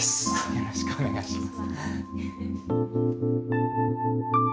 よろしくお願いします